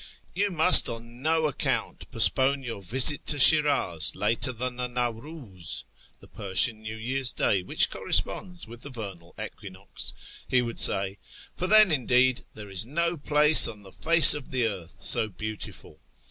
" You must on no account postpone your visit to Shiniz later than the Nawriiz " (the Persian New Year's Day, which corresponds with the vernal equinox), he would say, " for then, indeed, there is no place on the face of the earth so beautiful.